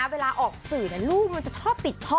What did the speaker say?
เวลาออกสื่อลูกมันจะชอบติดพ่อ